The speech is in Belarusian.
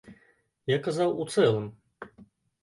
Я казаў у цэлым.